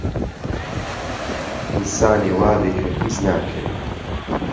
ئینسانێ وابێ هەرگیز ناکەوێ